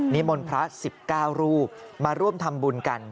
มนต์พระ๑๙รูปมาร่วมทำบุญกัน